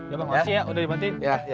ya bang makasih ya udah dibanti